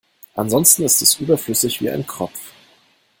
Ansonsten ist es überflüssig wie ein Kropf.